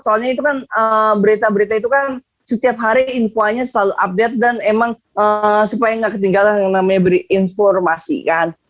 soalnya itu kan berita berita itu kan setiap hari infonya selalu update dan emang supaya nggak ketinggalan yang namanya beri informasi kan